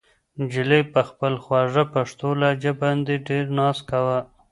نجلۍ په خپله خوږه پښتو لهجه باندې ډېر ناز کاوه.